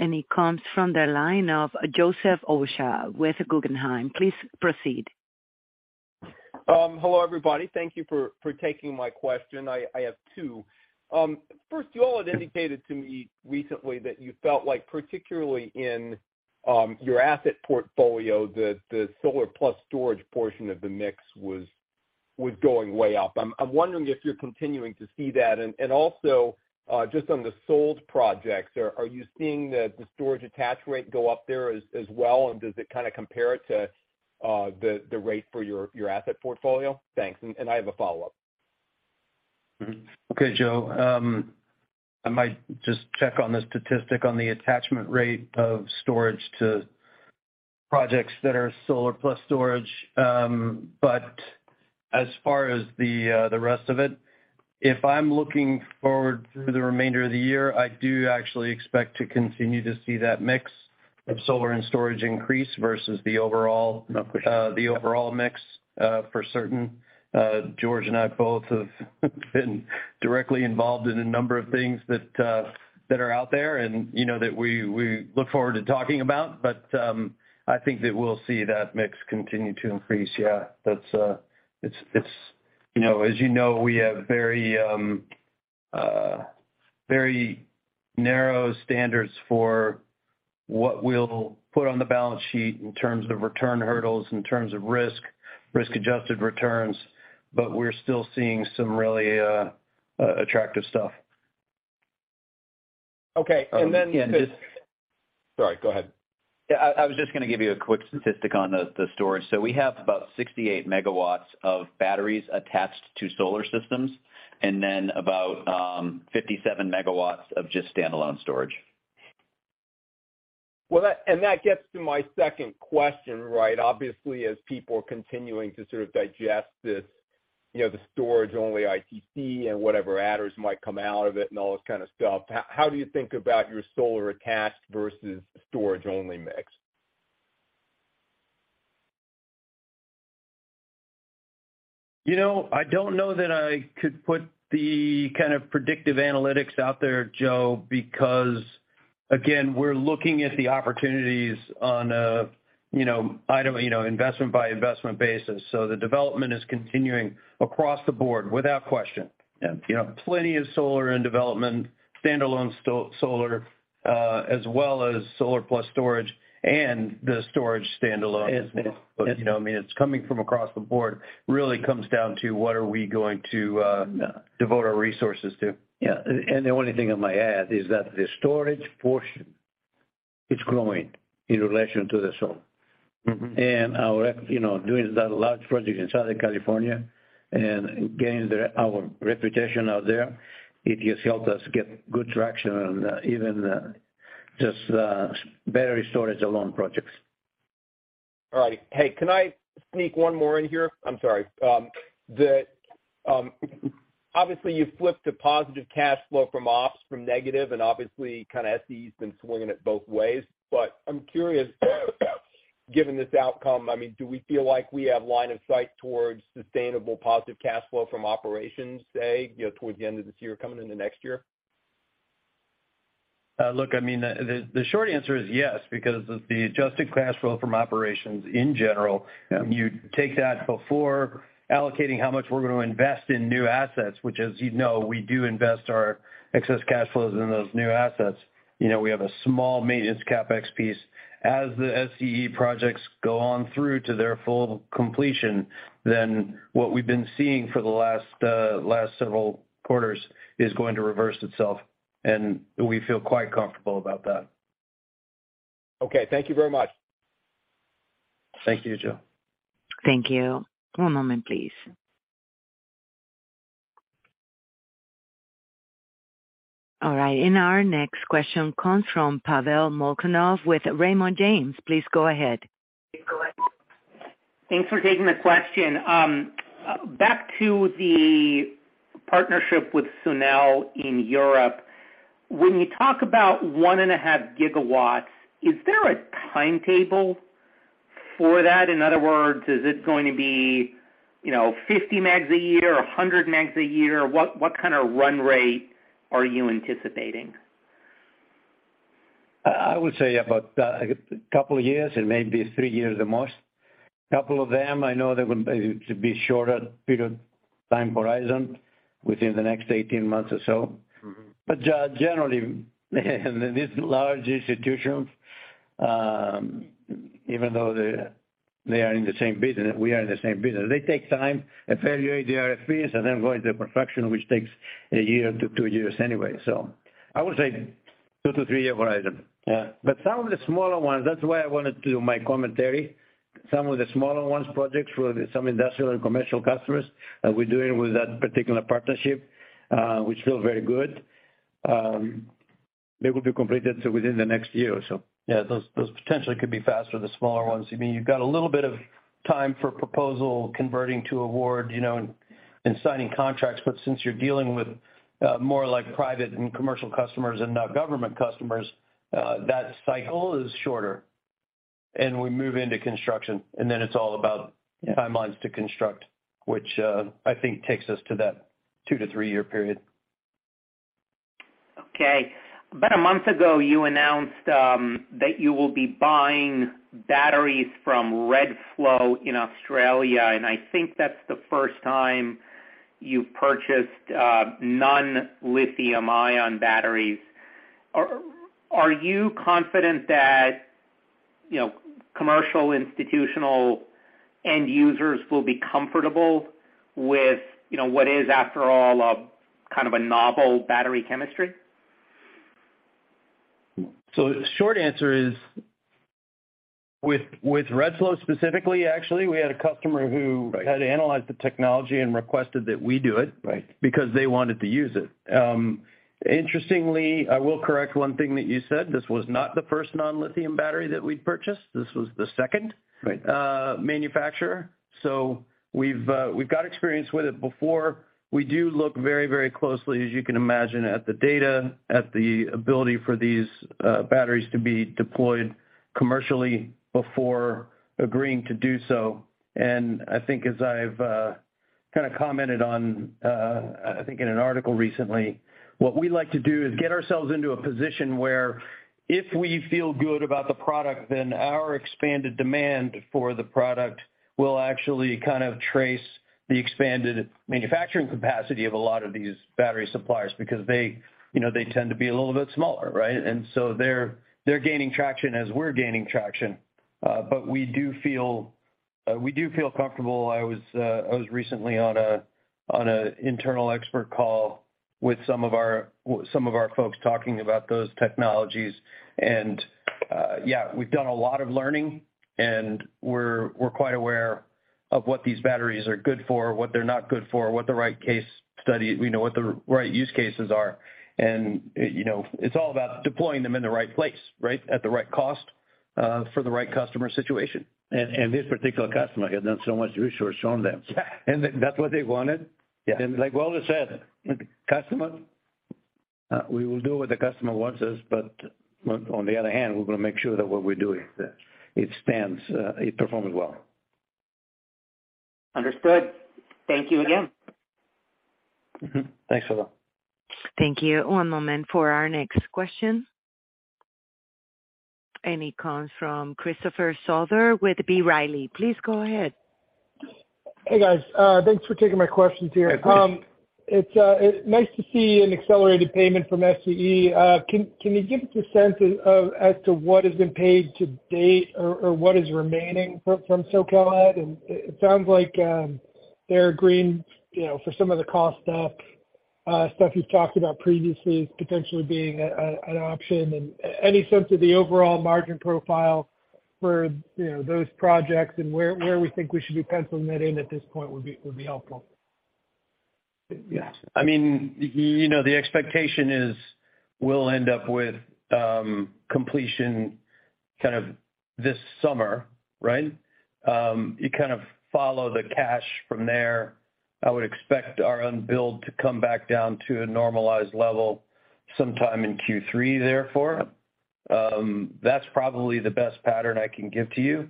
It comes from the line of Joseph Osha with Guggenheim. Please proceed. Hello, everybody. Thank you for taking my question. I have two. First, you all had indicated to me recently that you felt like, particularly in your asset portfolio, the solar-plus storage portion of the mix was going way up. I'm wondering if you're continuing to see that. Also, just on the sold projects, are you seeing the storage attach rate go up there as well? Does it kind of compare to the rate for your asset portfolio? Thanks. I have a follow-up. Okay, Joe. I might just check on the statistic on the attachment rate of storage to projects that are solar-plus storage. As far as the rest of it, if I'm looking forward through the remainder of the year, I do actually expect to continue to see that mix of solar and storage increase versus the overall. The overall mix for certain. George and I both have been directly involved in a number of things that that are out there and, you know, that we look forward to talking about. I think that we'll see that mix continue to increase. Yeah. That's. You know, as you know, we have very narrow standards for what we'll put on the balance sheet in terms of return hurdles, in terms of risk-adjusted returns, but we're still seeing some really attractive stuff. Okay. Yeah. Sorry, go ahead. Yeah. I was just gonna give you a quick statistic on the storage. We have about 68 MWs of batteries attached to solar systems and then about 57 MWs of just standalone storage. Well, that gets to my second question, right? Obviously, as people are continuing to sort of digest this, you know, the storage-only ITC and whatever adders might come out of it and all this kind of stuff, how do you think about your solar attached versus storage-only mix? You know, I don't know that I could put the kind of predictive analytics out there, Joe. Again, we're looking at the opportunities on a, you know, item, you know, investment by investment basis. The development is continuing across the board without question. Yeah. You know, plenty of solar in development, standalone solar, as well as solar plus storage and the storage standalone as well. You know, I mean, it's coming from across the board. Really comes down to what are we going to devote our resources to. Yeah. The only thing I might add is that the storage portion is growing in relation to the solar. Our, you know, doing that large project in Southern California and getting our reputation out there, it has helped us get good traction on even just battery storage alone projects. All right. Hey, can I sneak one more in here? I'm sorry. obviously you flipped a positive cash flow from ops from negative and obviously kind of SCE has been swinging it both ways. I'm curious, given this outcome, I mean, do we feel like we have line of sight towards sustainable positive cash flow from operations, say, you know, towards the end of this year or coming into next year? Look, I mean, the short answer is yes, because the adjusted cash flow from operations. You take that before allocating how much we're gonna invest in new assets, which as you know, we do invest our excess cash flows in those new assets. You know, we have a small maintenance CapEx piece. As the SCE projects go on through to their full completion, then what we've been seeing for the last several quarters is going to reverse itself, and we feel quite comfortable about that. Okay. Thank you very much. Thank you, Joe. Thank you. One moment, please. All right. Our next question comes from Pavel Molchanov with Raymond James. Please go ahead. Please go ahead. Thanks for taking the question. Back to the partnership with SUNEL in Europe, when you talk about 1.5 GW, is there a timetable for that? In other words, is it going to be, you know, 50 megs a year or 100 megs a year? What kind of run rate are you anticipating? I would say about two years and maybe three years at most. Two of them, I know they will, maybe to be shorter period time horizon within the next 18 months or so. Generally, these large institutions, even though they are in the same business, we are in the same business, they take time, evaluate the RFPs, and then go into perfection, which takes one-two years anyway. I would say two-three year horizon. Yeah. Some of the smaller ones, that's why I wanted to do my commentary. Some of the smaller ones projects for some industrial and commercial customers that we're doing with that particular partnership, which feel very good, they will be completed so within the next year or so. Yeah. Those potentially could be faster, the smaller ones. I mean, you've got a little bit of time for proposal converting to award, you know, and signing contracts. Since you're dealing with more like private and commercial customers and not government customers, that cycle is shorter. We move into construction, and then it's all about. Yeah. Timelines to construct, which, I think takes us to that two-three-year period. About a month ago, you announced that you will be buying batteries from Redflow in Australia, and I think that's the first time you purchased non-lithium ion batteries. Are you confident that, you know, commercial, institutional end users will be comfortable with, you know, what is, after all, a kind of a novel battery chemistry? Short answer is with Redflow specifically, actually, we had a customer. Had analyzed the technology and requested that we do it. Right. They wanted to use it. Interestingly, I will correct one thing that you said. This was not the first non-lithium battery that we'd purchased. This was the second. Right. Manufacturer. We've got experience with it before. We do look very, very closely, as you can imagine, at the data, at the ability for these batteries to be deployed commercially before agreeing to do so. I think as I've kind of commented on, I think in an article recently, what we like to do is get ourselves into a position where if we feel good about the product, then our expanded demand for the product will actually kind of trace the expanded manufacturing capacity of a lot of these battery suppliers because they, you know, they tend to be a little bit smaller, right? They're gaining traction as we're gaining traction. We do feel comfortable. I was recently on an internal expert call with some of our folks talking about those technologies. Yeah, we've done a lot of learning, and we're quite aware of what these batteries are good for, what they're not good for, we know what the right use cases are. You know, it's all about deploying them in the right place, right? At the right cost, for the right customer situation. This particular customer had done so much due diligence on them. Yeah. That's what they wanted. Yeah. Like Doran said, customer, we will do what the customer wants us, but on the other hand, we're gonna make sure that what we're doing, it stands, it performs well. Understood. Thank you again. Thanks a lot. Thank you. One moment for our next question. It comes from Christopher Souther with B. Riley. Please go ahead. Hey, guys. Thanks for taking my questions here. Hey, Chris. It's nice to see an accelerated payment from SCE. Can you give us a sense of, as to what has been paid to date or what is remaining from SoCal Ed? It sounds like they're agreeing, you know, for some of the cost up stuff you've talked about previously potentially being an option. Any sense of the overall margin profile for, you know, those projects and where we think we should be penciling that in at this point would be helpful. Yes. I mean, you know, the expectation is we'll end up with completion kind of this summer, right? You kind of follow the cash from there. I would expect our unbilled to come back down to a normalized level sometime in Q3, therefore. That's probably the best pattern I can give to you.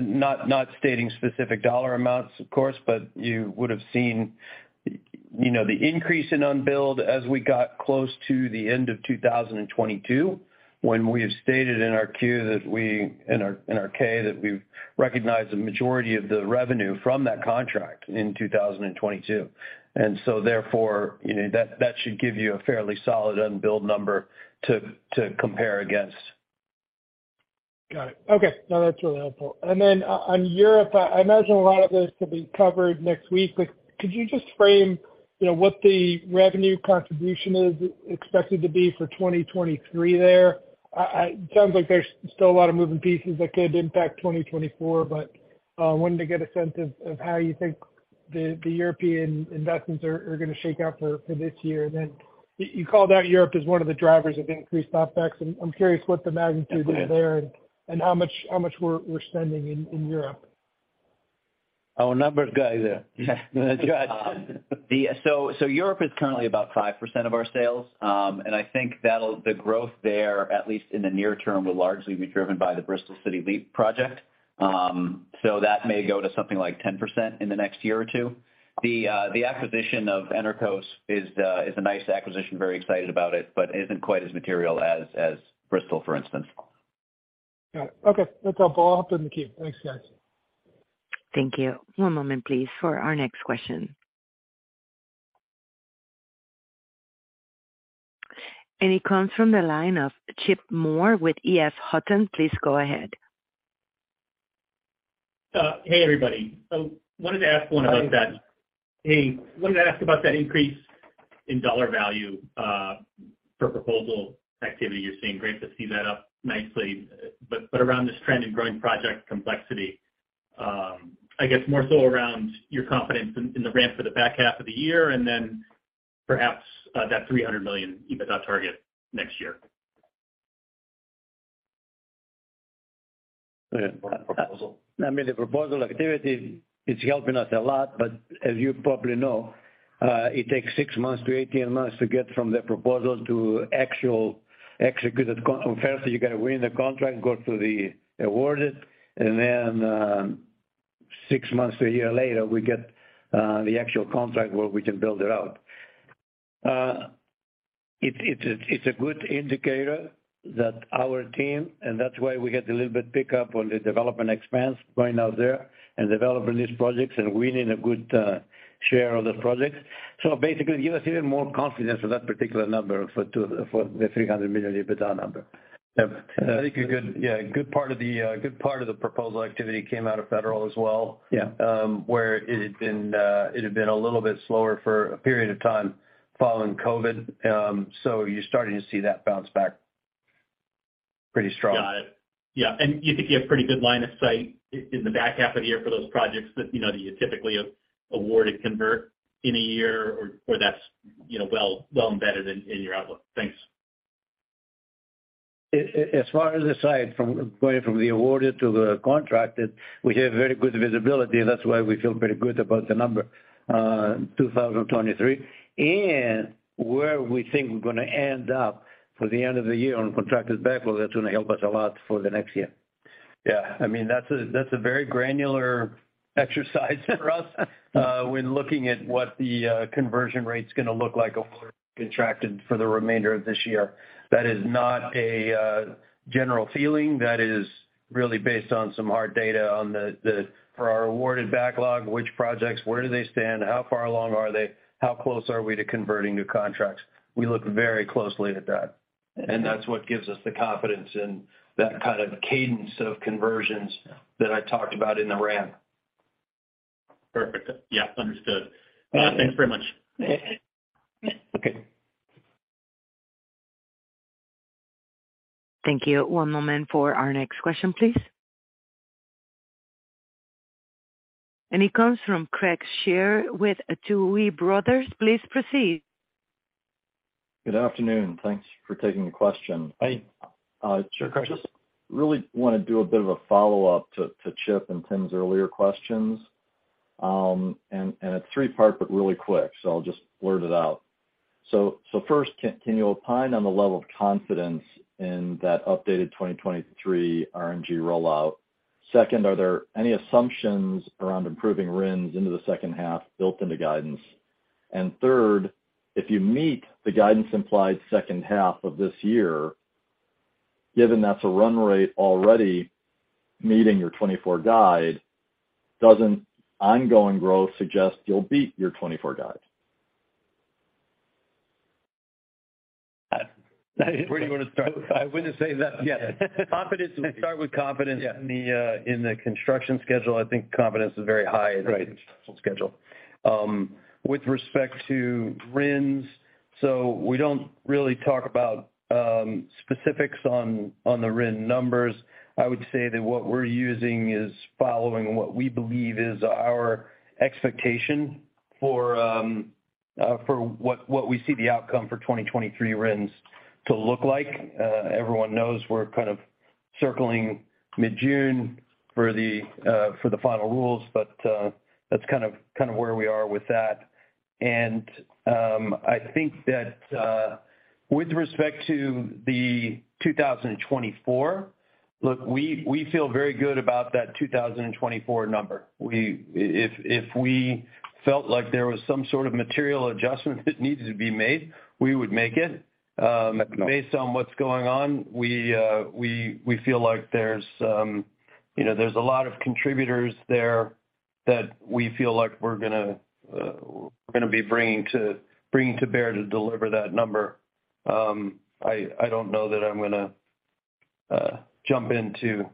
Not stating specific dollar amounts, of course, but you would've seen, you know, the increase in unbilled as we got close to the end of 2022, when we have stated in our Q that we, in our K that we've recognized the majority of the revenue from that contract in 2022. Therefore, you know, that should give you a fairly solid unbilled number to compare against. Got it. Okay. No, that's really helpful. On Europe, I imagine a lot of this could be covered next week, but could you just frame, you know, what the revenue contribution is expected to be for 2023 there? It sounds like there's still a lot of moving pieces that could impact 2024, but wanted to get a sense of how you think the European investments are gonna shake out for this year. You called out Europe as one of the drivers of increased OpEx. I'm curious what the magnitude is there and how much we're spending in Europe. Our numbers guy there. Europe is currently about 5% of our sales. I think the growth there, at least in the near term, will largely be driven by the Bristol City Leap project. That may go to something like 10% in the next year or two. The acquisition of Enerqos is a nice acquisition, very excited about it, but isn't quite as material as Bristol, for instance. Got it. Okay. That's helpful. I'll hand it back to Keith. Thanks, guys. Thank you. One moment, please, for our next question. It comes from the line of Chip Moore with EF Hutton. Please go ahead. Hey, everybody. wanted to ask one about that. Hi. Hey. Wanted to ask about that increase in dollar value for proposal activity you're seeing. Great to see that up nicely. Around this trend in growing project complexity, I guess more so around your confidence in the ramp for the back half of the year and then perhaps that $300 million EBITDA target next year? Go ahead. For that proposal. I mean, the proposal activity is helping us a lot. As you probably know, it takes six months to 18 months to get from the proposal to actual executed. First, you gotta win the contract, go to the awarded, and then, six months to a year later, we get the actual contract where we can build it out. It's a good indicator that our team, and that's why we get a little bit pick up on the development expense right now there in developing these projects and winning a good share of the projects. Basically give us even more confidence for that particular number for the $300 million EBITDA number. Yep. I think a good part of the proposal activity came out of federal as well. Yeah. Where it had been, it had been a little bit slower for a period of time following COVID. You're starting to see that bounce back pretty strong. Got it. Yeah. You think you have pretty good line of sight in the back half of the year for those projects that, you know, that you typically award and convert in a year or that's, you know, well embedded in your outlook? Thanks. As far as the site from going from the awarded to the contracted, we have very good visibility, and that's why we feel pretty good about the number in 2023. Where we think we're gonna end up for the end of the year on contracted backlog, that's gonna help us a lot for the next year. Yeah. I mean, that's a, that's a very granular exercise for us, when looking at what the conversion rate's gonna look like over contracted for the remainder of this year. That is not a, general feeling. That is really based on some hard data on the for our awarded backlog, which projects, where do they stand, how far along are they, how close are we to converting new contracts. We look very closely at that. That's what gives us the confidence and that kind of cadence of conversions that I talked about in the ramp. Perfect. Yeah. Understood. Thanks very much. Okay. Thank you. One moment for our next question, please. It comes from Craig Shere with Tuohy Brothers. Please proceed. Good afternoon. Thanks for taking the question. Hi. Sure, Craig. Just really wanna do a bit of a follow-up to Chip and Tim's earlier questions. It's three-part, but really quick, so I'll just blurt it out. First, can you opine on the level of confidence in that updated 2023 RNG rollout? Second, are there any assumptions around improving RINs into the second half built into guidance? Third, if you meet the guidance implied second half of this year, given that's a run rate already meeting your 2024 guide, doesn't ongoing growth suggest you'll beat your 2024 guide? Where do you wanna start? I wouldn't say that. Yes. Confidence. We start with confidence. Yeah. In the, in the construction schedule. I think confidence is very high. Right In the construction schedule. With respect to RINs, we don't really talk about specifics on the RIN numbers. I would say that what we're using is following what we believe is our expectation for what we see the outcome for 2023 RINs to look like. Everyone knows we're kind of circling mid-June for the final rules, but that's kind of where we are with that. I think that with respect to the 2024, look, we feel very good about that 2024 number. If we felt like there was some sort of material adjustment that needed to be made, we would make it. Based on what's going on, we feel like there's, you know, there's a lot of contributors there that we feel like we're gonna be bringing to bear to deliver that number. I don't know that I'm gonna jump into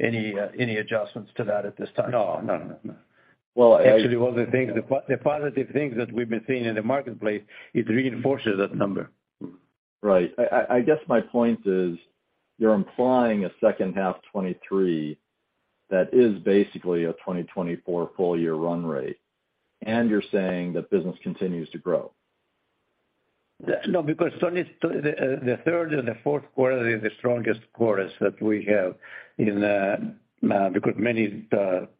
any adjustments to that at this time. No. No, no. Actually, all the things, the positive things that we've been seeing in the marketplace, it reinforces that number. Right. I guess my point is, you're implying a second half 2023 that is basically a 2024 full year run rate, and you're saying that business continues to grow. No, because need to. The third and the fourth quarter is the strongest quarters that we have in, because many,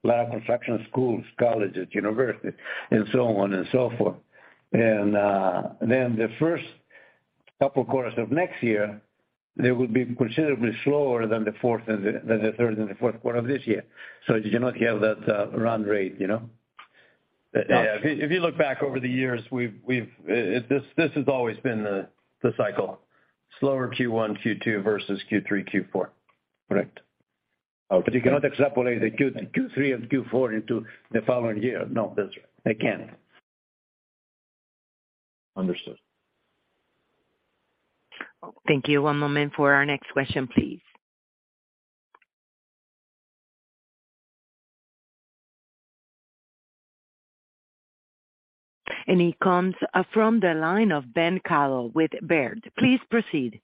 lot of construction schools, colleges, universities, and so on and so forth. The first two quarters of next year, they will be considerably slower than the fourth and the third and the fourth quarter of this year. You cannot have that run rate, you know? Yeah. If you look back over the years, this has always been the cycle. Slower Q1, Q2 versus Q3, Q4. Correct. You cannot extrapolate Q3 and Q4 into the following year. No, that's right. They can't. Understood. Thank you. One moment for our next question, please. It comes from the line of Ben Kallo with Baird. Please proceed.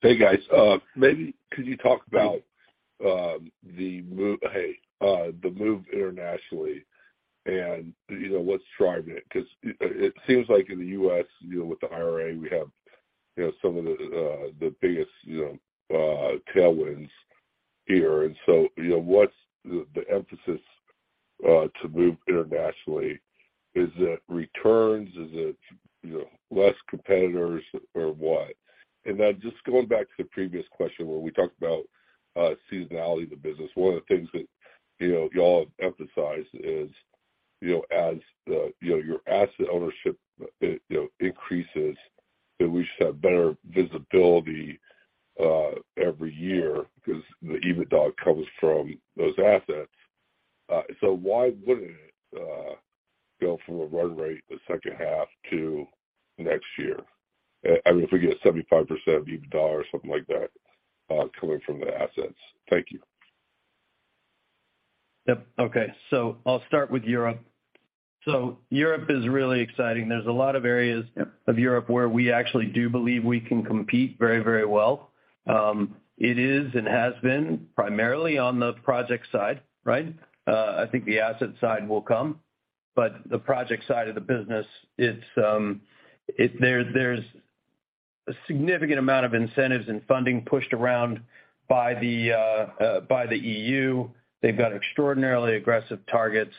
Hey, guys. Maybe could you talk about the move internationally and, you know, what's driving it? Cause it seems like in the U.S., you know, with the IRA, we have, you know, some of the biggest, you know, tailwinds here. You know, what's the emphasis to move internationally? Is it returns? Is it, you know, less competitors or what? Just going back to the previous question where we talked about seasonality of the business, one of the things that, you know, y'all have emphasized is, you know, your asset ownership, you know, increases, that we should have better visibility every year 'cause the EBITDA comes from those assets. Why wouldn't it go from a run rate the second half to next year? I mean, if we get 75% of EBITDA or something like that, coming from the assets. Thank you. Yep. Okay. I'll start with Europe. Europe is really exciting. There's a lot of areas. Yep. Of Europe where we actually do believe we can compete very, very well. It is and has been primarily on the project side, right? I think the asset side will come, but the project side of the business, there's a significant amount of incentives and funding pushed around by the E.U. They've got extraordinarily aggressive targets,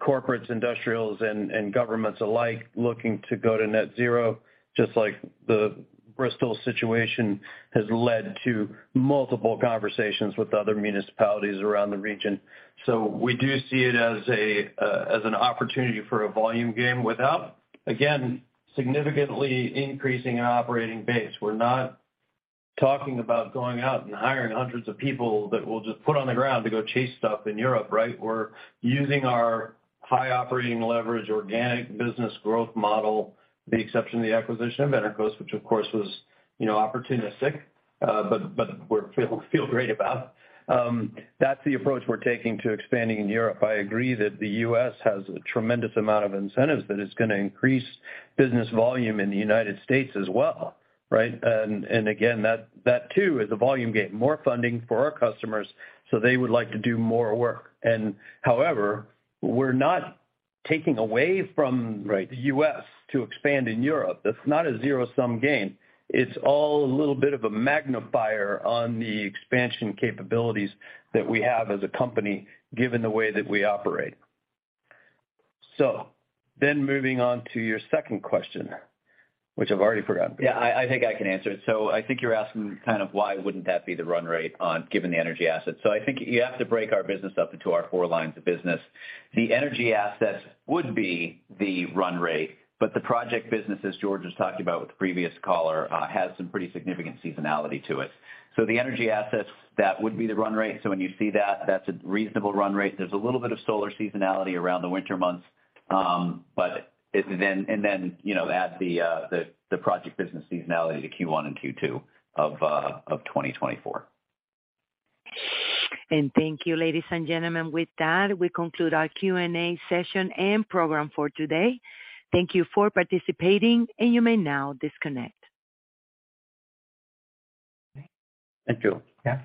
corporates, industrials and governments alike looking to go to net zero, just like the Bristol situation has led to multiple conversations with other municipalities around the region. We do see it as an opportunity for a volume game without, again, significantly increasing our operating base. We're not talking about going out and hiring hundreds of people that we'll just put on the ground to go chase stuff in Europe, right? We're using our high operating leverage organic business growth model, with the exception of the acquisition of Enerqos, which of course was, you know, opportunistic, but we feel great about. That's the approach we're taking to expanding in Europe. I agree that the U.S. has a tremendous amount of incentives that is gonna increase business volume in the United States as well, right? Again, that too is a volume game. More funding for our customers, so they would like to do more work. However, we're not taking away from. Right The U.S. to expand in Europe. That's not a zero-sum game. It's all a little bit of a magnifier on the expansion capabilities that we have as a company, given the way that we operate. Moving on to your second question, which I've already forgotten. Yeah, I think I can answer it. I think you're asking kind of why wouldn't that be the run rate on, given the energy assets. I think you have to break our business up into our four lines of business. The energy assets would be the run rate, but the project business, as George was talking about with the previous caller, has some pretty significant seasonality to it. The energy assets, that would be the run rate. When you see that's a reasonable run rate. There's a little bit of solar seasonality around the winter months. And then, you know, add the project business seasonality to Q1 and Q2 of 2024. Thank you, ladies and gentlemen. With that, we conclude our Q&A session and program for today. Thank you for participating, and you may now disconnect. Thank you. Yeah.